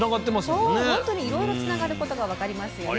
そうほんとにいろいろつながることが分かりますよね。